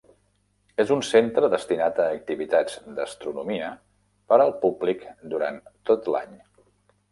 És un centre destinat a activitats d'astronomia per al públic durant tot l'any.